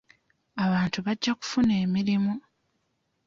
Abantu bajja kufuna emirimu.